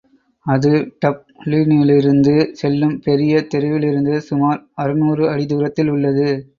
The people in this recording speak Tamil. அது டப்ளினிலிைருந்து செல்லும் பெரிய தெருவிலிருந்து சுமார் அறுநூறு அடி தூரத்தில் உள்ளது.